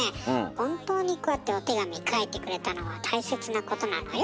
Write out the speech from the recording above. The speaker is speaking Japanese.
本当にこうやってお手紙書いてくれたのは大切なことなのよ。